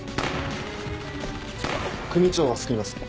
組長は救います。